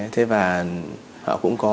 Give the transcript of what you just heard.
thế và họ cũng có